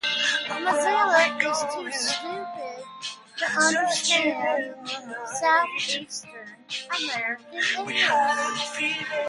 The Gauderer-Ponsky technique involves performing a gastroscopy to evaluate the anatomy of the stomach.